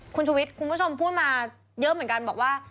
คุณชุวิตคุณผู้ชมพูดมาเยอะเหมือนกันบอกว่า